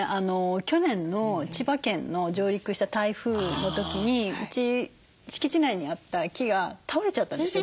去年の千葉県の上陸した台風の時にうち敷地内にあった木が倒れちゃったんですよ